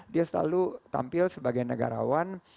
dia selalu tampil sebagai negarawan